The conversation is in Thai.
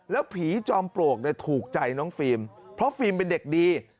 แล้วผีจอมปลวกถูกใจน้องฟิล์มเพราะฟิล์มเป็นเด็กดี